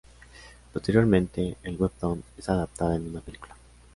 Posteriormente el webtoon es adaptada en una película.